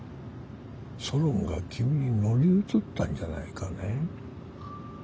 ソロンが君に乗り移ったんじゃないかね？